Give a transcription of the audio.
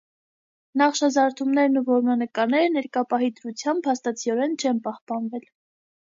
Նախշազարդումներն ու որմնանկարները ներկա պահի դրությամբ փաստացիորեն չեն պահպանվել։